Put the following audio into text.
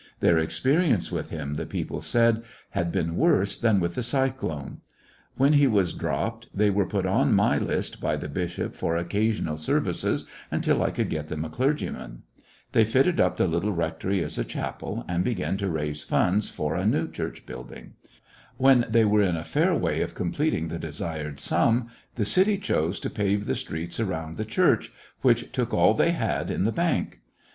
Their experience with him, the people said, had been worse than with the cyclone. When he was dropped, they were put on my list by 69 A poser Success in the end ^collections of a the bishop for occasional services until I could get them a clergyman. They fitted up the little rectory as a chapel, and began to raise funds for a new church building. When they were in a fair way of completing the desired sum, the city chose to pave the streets around the church, which took all they had in the bank.